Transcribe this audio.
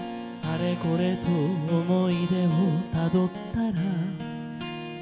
「あれこれと思い出をたどったら」